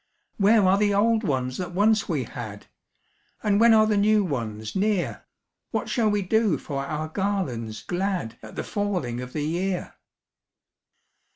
Where are the old ones that once we had, And when are the new ones near? What shall we do for our garlands glad At the falling of the year?"